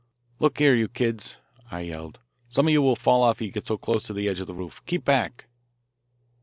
"Look here, you kids," I yelled, "some of you will fall off if you get so close to the edge of the roof. Keep back."